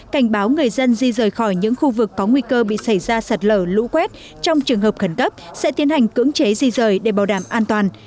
cảnh báo người dân di rời khỏi những khu vực có nguy cơ bị xảy ra sạt lở lũ quét trong trường hợp khẩn cấp sẽ tiến hành cưỡng chế di rời để bảo đảm an toàn